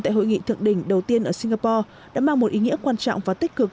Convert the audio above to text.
tại hội nghị thượng đỉnh đầu tiên ở singapore đã mang một ý nghĩa quan trọng và tích cực